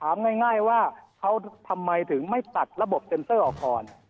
ง่ายว่าเขาทำไมถึงไม่ตัดระบบเซ็นเซอร์ออกก่อน